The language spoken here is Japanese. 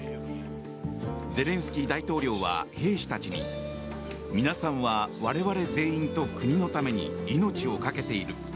ゼレンスキー大統領は兵士たちに皆さんは、我々全員と国のために命を懸けている。